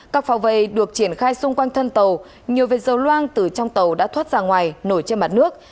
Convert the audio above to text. các phao vây được triển khai xung quanh thân tàu nhiều vệt dầu loang từ trong tàu đã thoát ra ngoài nổi trên mặt nước